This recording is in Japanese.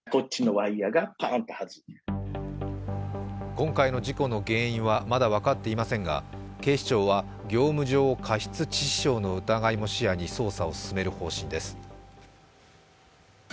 今回の事故の原因はまだ分かっていませんが、警視庁は、業務上過失致死傷の疑いも視野に捜査を進める方針です。